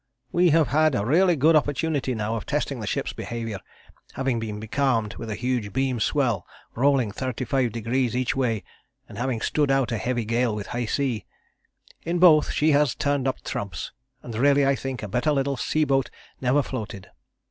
We have had a really good opportunity now of testing the ship's behaviour, having been becalmed with a huge beam swell rolling 35° each way, and having stood out a heavy gale with a high sea. In both she has turned up trumps, and really I think a better little sea boat never floated.